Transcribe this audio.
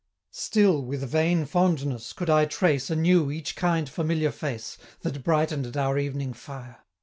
Still, with vain fondness, could I trace, Anew, each kind familiar face, That brighten'd at our evening fire!